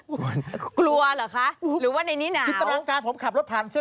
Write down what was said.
กลัวเหรอคะหรือว่าในนี้หนาว